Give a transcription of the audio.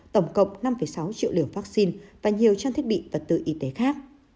tổng cộng năm sáu triệu lửa vaccine và nhiều chân thiết bị và tự y tế khác